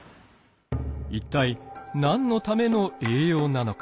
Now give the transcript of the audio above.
一体何のための栄養なのか？